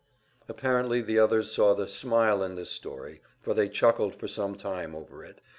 Apparently the others saw the "smile" in this story, for they chuckled for some time over it.